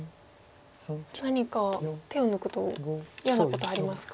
何か手を抜くと嫌なことありますか？